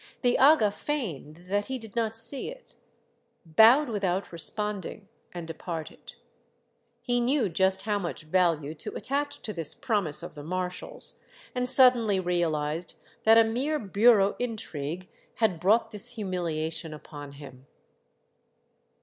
The aga feigned that he did not see it, bowed without responding, and departed. He knew just how much value to attach to this promise of the marshal's, and suddenly realized that a mere bureau intrigue had brought this humilia tion upon him.